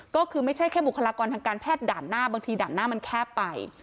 ก็คือไม่ใช่แค่บุคลากรทางการแพทย์ด่านหน้าบางทีด่านหน้ามันแคบไป